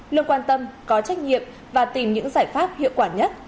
luôn quan tâm có trách nhiệm và tìm những giải pháp hiệu quả nhất